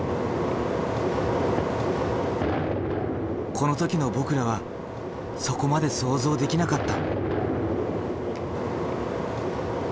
この時の僕らはそこまで想像できなかった。